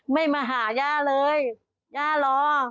ไม่มาหาย่าเลยย่ารอ